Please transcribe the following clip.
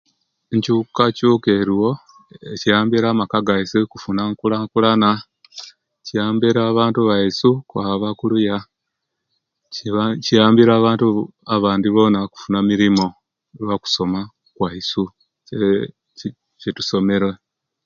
Enkyukakyuka eriwo embbera amaka gaisu okufuna enkulankulana kiyambire abantu baisu okwaba kuluya kiyambire abantu abandi bona okufuna emirimu olwo kusoma kwaisu kiire kitusomere